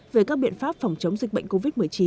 về các biện pháp phòng chống dịch bệnh covid một mươi chín